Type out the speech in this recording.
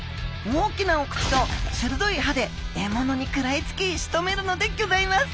大きなお口とするどい歯でえものにくらいつきしとめるのでギョざいます！